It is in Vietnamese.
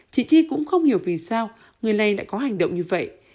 chị chi cũng không hiểu vì sao người này lại có hành động như vậy